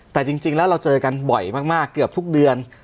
แต่จริงแล้วเราเจอกันบ่อยมากเกือบทุกเดือน